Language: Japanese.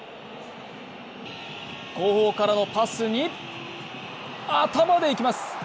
後方からのパスに頭でいきます。